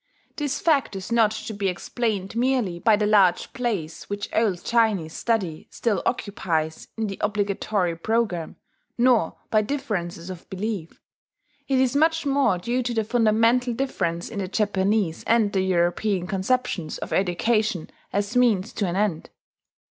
This fact is not to be explained merely by the large place which old Chinese study still occupies in the obligatory programme, nor by differences of belief it is much more due to the fundamental difference in the Japanese and the European conceptions of education as means to an end.